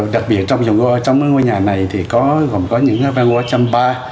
đặc biệt trong mấy ngôi nhà này thì còn có những văn hóa trăm ba